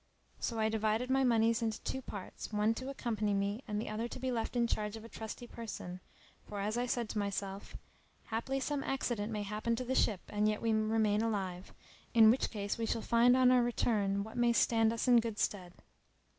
So I divided my monies into two parts, one to accompany me and the other to be left in charge of a trusty person, for, as I said to myself, "Haply some accident may happen to the ship and yet we remain alive; in which case we shall find on our return what may stand us in good stead."